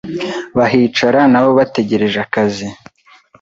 bahicara nabo bategereje akazi